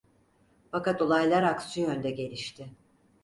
Fakat olaylar aksi yönde gelişti.